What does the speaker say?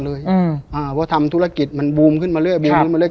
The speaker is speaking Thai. เพราะทำธุรกิจมันบูมขึ้นมาเรื่อย